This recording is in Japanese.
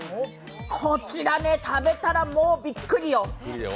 こちらね、食べたらもうびっくりよ